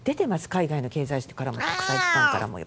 海外の経済紙からも国際機関からも。